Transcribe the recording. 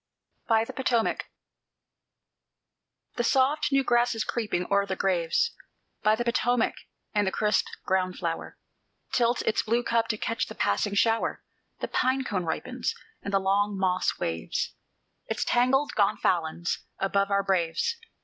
BY THE POTOMAC The soft new grass is creeping o'er the graves By the Potomac; and the crisp ground flower Tilts its blue cup to catch the passing shower; The pine cone ripens, and the long moss waves Its tangled gonfalons above our braves.